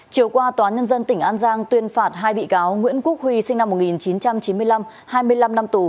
chiều qua tòa nhân dân tỉnh an giang tuyên phạt hai bị cáo nguyễn quốc huy sinh năm một nghìn chín trăm chín mươi năm hai mươi năm năm tù